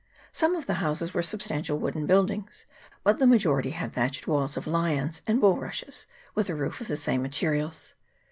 Some of the houses were substantial wooden buildings, but the majority had thatched walls of liands and bulrushes, with a roof of the same materials.